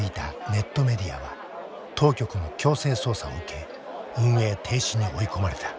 ネットメディアは当局の強制捜査を受け運営停止に追い込まれた。